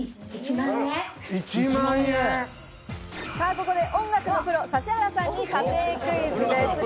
ここで音楽のプロ、指原さんに査定クイズです。